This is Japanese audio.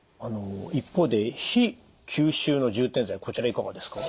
一方で非吸収の充填剤こちらいかがですか？